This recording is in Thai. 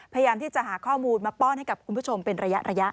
พยายามที่จะหาข้อมูลมาป้อนให้กับคุณผู้ชมเป็นระยะ